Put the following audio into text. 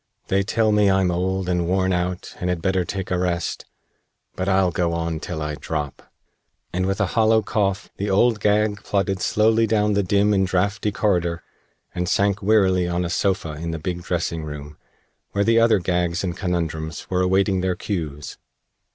They tell me I'm old and worn out and had better take a rest, but I'll go on till I drop," and with a hollow cough the Old Gag plodded slowly down the dim and drafty corridor and sank wearily on a sofa in the big dressing room, where the other Gags and Conundrums were awaiting their cues.